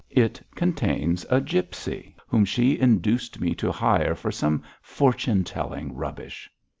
It contains a gipsy, whom she induced me to hire for some fortune telling rubbish.'